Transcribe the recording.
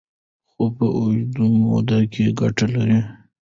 خو په اوږده موده کې ګټه لري.